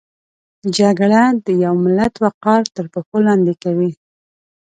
جګړه د یو ملت وقار تر پښو لاندې کوي